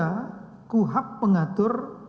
mereka memiliki hak mengatur